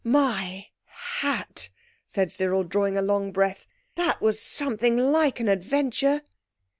"My hat!" said Cyril, drawing a long breath; "that was something like an adventure."